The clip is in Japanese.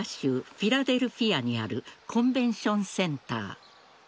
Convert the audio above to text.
フィラデルフィアにあるコンベンションセンター。